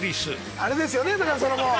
あれですよねだからその。